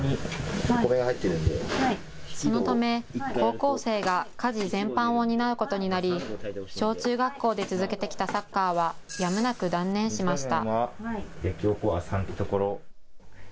そのため高校生が家事全般を担うことになり小中学校で続けてきたサッカーはやむなく断念しました。